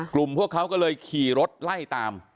พวกเขาก็เลยขี่รถไล่ตาม